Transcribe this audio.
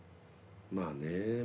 まあね。